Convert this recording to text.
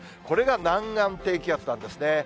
これが南岸低気圧なんですね。